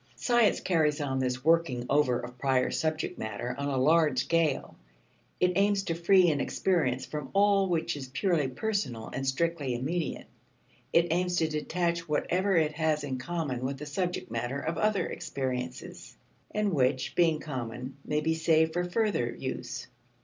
Science carries on this working over of prior subject matter on a large scale. It aims to free an experience from all which is purely personal and strictly immediate; it aims to detach whatever it has in common with the subject matter of other experiences, and which, being common, may be saved for further use.